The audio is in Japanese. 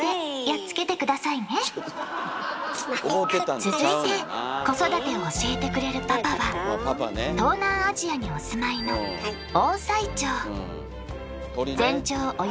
続いて子育てを教えてくれるパパは東南アジアにお住まいの鳥ね。